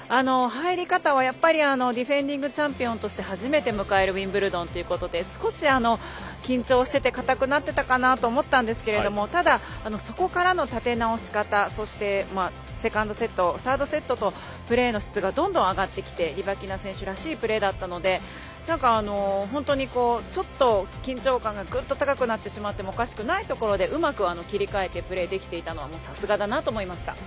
入り方はディフェンディングチャンピオンとして初めて迎えるウィンブルドンということで少し緊張していて硬くなっていたかなと思っていたんですがただそこからの立て直し方セカンドセット、サードセットとプレーの質がどんどん上がってきてリバキナ選手らしいプレーだったので本当に緊張感がぐっと高くなってしまってもおかしくないところでうまく切り替えてプレーができていたのはさすがだなと思いました。